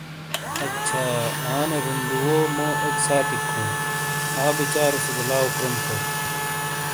اچھا، آنے رُوندوو مو ایک ساتئیک ہُوں، آؤ بچارو سے گہ لاؤ کروم تھو